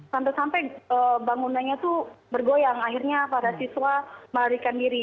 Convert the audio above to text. sampai sampai bangunannya itu bergoyang akhirnya para siswa melarikan diri